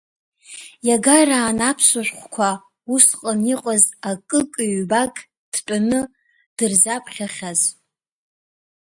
Иагарааны аԥсуа шәҟәқәа усҟан иҟаз акык-ҩбак дтәаны дырзаԥхьахьааз.